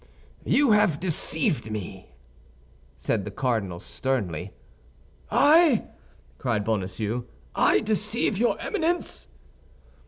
"You have deceived me!" said the cardinal, sternly. "I," cried Bonacieux, "I deceive your Eminence!"